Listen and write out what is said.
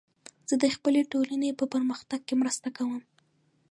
زه د خپلې ټولنې په پرمختګ کې مرسته کوم.